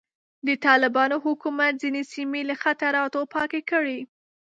د طالبانو حکومت ځینې سیمې له خطراتو پاکې کړې.